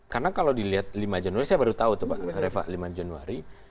karena kalau dilihat lima januari saya baru tahu tuh pak reva lima januari